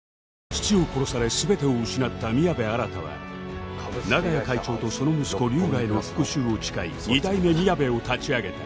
父を殺され全てを失った宮部新は長屋会長とその息子龍河への復讐を誓い二代目みやべを立ち上げた